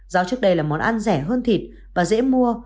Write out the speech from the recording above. rau trước đây là món ăn rẻ hơn thịt và dễ mua